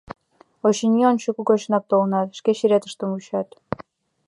Очыни, ончылгочак толынытат, шке черетыштым вучат.